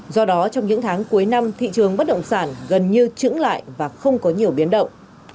do đó trong những tháng cuối năm thị trường bất động sản gần như trứng lại và không có nhiều biến động